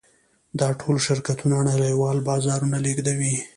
دا ټول شرکتونه نړیوال بارونه لېږدوي.